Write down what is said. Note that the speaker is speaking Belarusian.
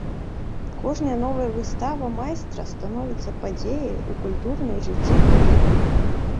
Кожная новая выстава майстра становіцца падзеяй у культурным жыцці краіны.